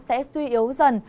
sẽ suy yếu dần